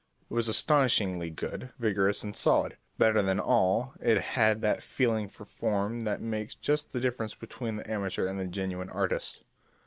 It was astonishingly good, vigorous and solid; better than all, it had that feeling for form that makes just the difference between the amateur and the genuine artist.